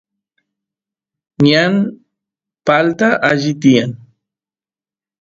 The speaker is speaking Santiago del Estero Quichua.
ñan palta qaylla tiyan